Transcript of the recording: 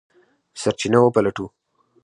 سرچینه وپلټو.